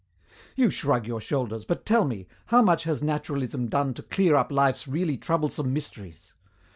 "You shrug your shoulders, but tell me, how much has naturalism done to clear up life's really troublesome mysteries?